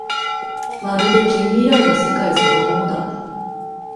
まるで近未来の世界そのものだ